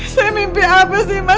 saya mimpi apa sih mas